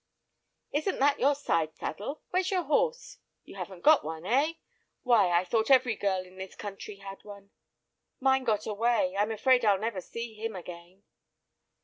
"Isn't that your side saddle? Where's your horse? You haven't got one, eh? Why, I thought every girl in this country had one." "Mine got away; I'm afraid I'll never see him again."